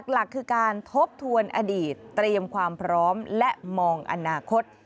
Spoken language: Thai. หลักคือการทบทวนอดีตเตรียมความพร้อมและมองอนาคต